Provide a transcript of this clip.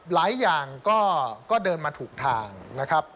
หลายอย่างก็เดินมาถูกทางนะครับ